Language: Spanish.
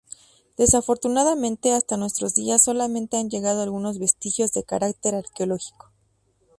Desafortunadamente, hasta nuestros días solamente han llegado algunos vestigios de carácter arqueológico.